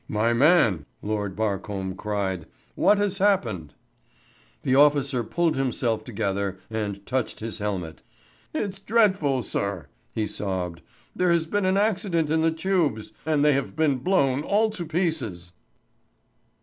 "My man," Lord Barcombe cried, "what has happened?" The officer pulled himself together and touched his helmet. "It's dreadful, sir," he sobbed. "There has been an accident in the tubes; and they have been blown all to pieces."